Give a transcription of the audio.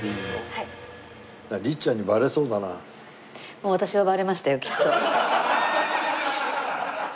もう私はバレましたよきっと。